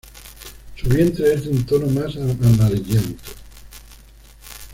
Su vientre es de un tono más amarillento.